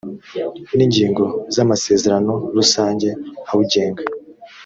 n ingingo z amasezerano rusange awugenga